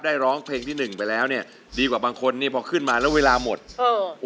ร้องเพลงที่หนึ่งไปแล้วเนี่ยดีกว่าบางคนนี่พอขึ้นมาแล้วเวลาหมดเออ